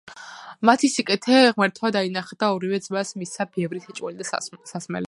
მათი სიკეთე ღმერთმა დაინახა და ორივე ძმას მისცა ბევრი საჭმელი და სასმელი.